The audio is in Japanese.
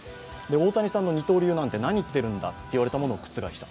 大谷さんの二刀流なんて、何言っているんだというものを覆した。